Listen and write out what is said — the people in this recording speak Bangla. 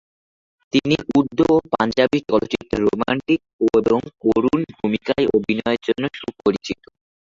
তিনি উর্দু ও পাঞ্জাবি চলচ্চিত্রে রোমান্টিক এবং করুণ ভূমিকায় অভিনয়ের জন্য সুপরিচিত।